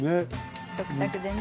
食卓でね